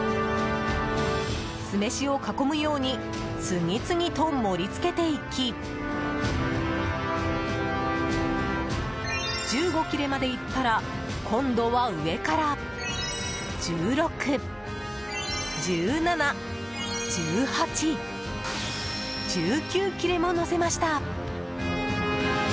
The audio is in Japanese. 酢飯を囲むように次々と盛り付けていき１５切れまでいったら今度は上から１６、１７、１８、１９切れものせました。